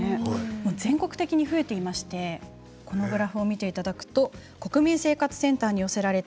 全国的に増えていましてこのグラフを見ていただくと国民生活センターに寄せられた